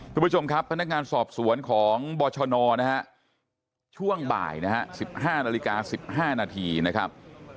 คุณผู้ชมครับพนักงานสอบสวนของบชนนะฮะช่วงบ่ายนะฮะ๑๕นาฬิกา๑๕นาทีนะครับ